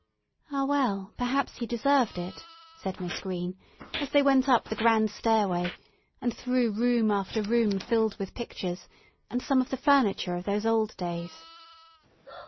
"Ah, well! perhaps he deserved it," said Miss Green, as they went up the grand stairway and through room after room filled with pictures, and some of the furniture of those old days.